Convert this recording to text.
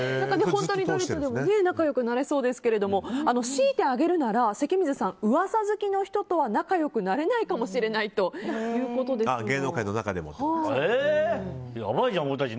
本当に誰とも仲良くなれそうですけど強いて挙げるなら、関水さん噂好きの人とは仲良くなれないかもしれないやばいじゃん、俺たち。